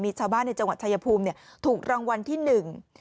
มีชาวบ้านในจังหวัดชายภูมิเนี่ยถูกรางวัลที่หนึ่ง